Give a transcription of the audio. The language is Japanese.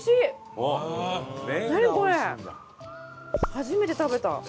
初めて食べた。